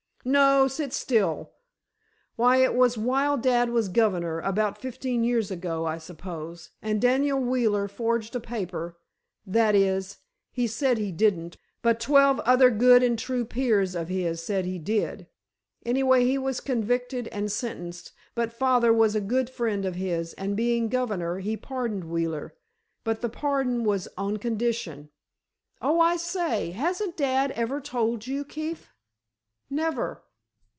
"No, sit still. Why, it was while dad was governor—about fifteen years ago, I suppose. And Daniel Wheeler forged a paper—that is, he said he didn't, but twelve other good and true peers of his said he did. Anyway, he was convicted and sentenced, but father was a good friend of his, and being governor, he pardoned Wheeler. But the pardon was on condition—oh, I say—hasn't dad ever told you, Keefe?" "Never."